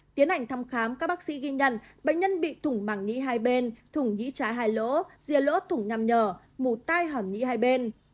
tiến ảnh thăm khám các bác sĩ ghi nhận bệnh nhân bị thủng mảng nhĩ hai bên thủng nhĩ trái hai lỗ rìa lỗ thủng nhằm nhờ mủ tai hỏng nhĩ hai bên